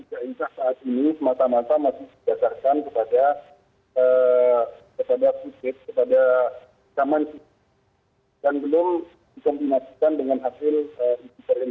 ke penjara saibergaya di kuala lumpur